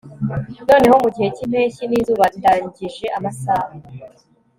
noneho, mugihe cyimpeshyi nizuba ndangije amasaha